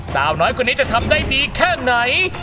สาวน้อยคนนี้จะทำได้ดีแค่ไหน